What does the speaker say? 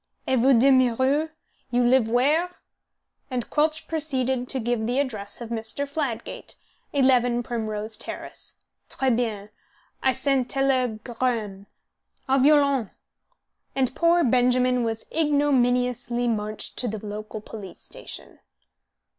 "Et vous demeurez? You live where?" And Quelch proceeded to give the address of Mr. Fladgate, 11 Primrose Terrace. "Tres bien. I send teleg r r amme. Au violon!" And poor Benjamin was ignominiously marched to the local police station.